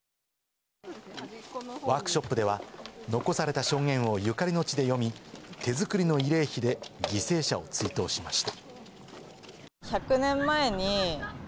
このワークショップでは、残された証言をゆかりの地で読み、手作りの慰霊碑で犠牲者を追悼しました。